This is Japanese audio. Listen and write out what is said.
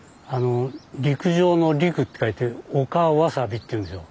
陸上の陸って書いて「陸わさび」っていうんですよ。